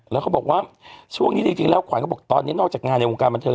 แล้วเขาบอกว่าช่วงนี้จริงแล้วขวัญก็บอกตอนนี้นอกจากงานในวงการบันเทิ